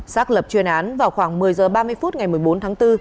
xác lập chuyên án vào khoảng một mươi h ba mươi phút ngày một mươi bốn tháng bốn